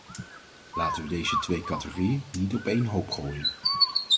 Laten we deze twee categorieën niet op één hoop gooien.